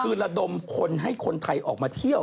คือระดมคนให้คนไทยออกมาเที่ยว